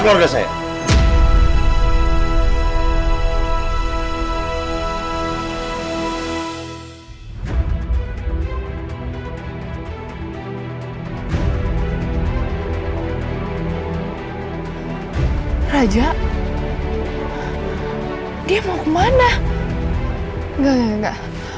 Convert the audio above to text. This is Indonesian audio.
mana keluarga saya